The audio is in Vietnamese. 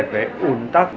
về ủn tắc